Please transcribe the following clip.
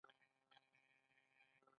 دا همکاري خورا مهمه وه.